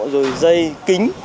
rồi dây kính